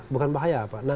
bukan bahaya pak